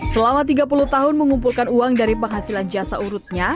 selama tiga puluh tahun mengumpulkan uang dari penghasilan jasa urutnya